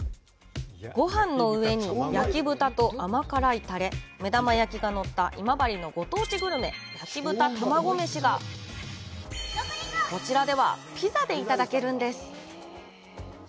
ごはんの上に焼き豚と甘辛いタレ、目玉焼きがのった、今治のご当地グルメ、焼豚玉子飯がこちらでは、ピザでいただけるんです。